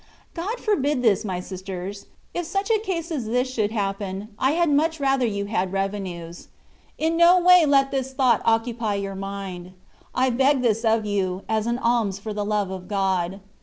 God forbid this, my daughters ; if such a case as this should happen, I had much rather you had revenues. In no way let this thought occupy your mind ; I beg this of you, as an alms for the love of God.